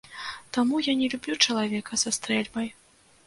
Таму я не люблю чалавека са стрэльбай.